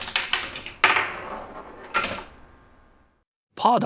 パーだ！